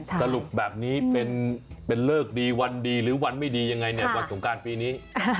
สรุปแบบนี้เป็นเลิกดีวันดีหรือวันไม่ดียังไงเนี่ยวันสงการปีนี้